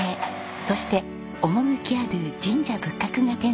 そして趣ある神社仏閣が点在します。